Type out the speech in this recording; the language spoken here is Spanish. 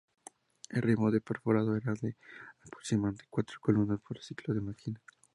El ritmo de perforado era de aproximadamente cuatro columnas por ciclo de máquina.